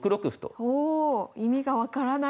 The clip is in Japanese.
おお意味が分からない。